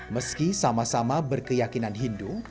meski sama sama berkeyakinan hindu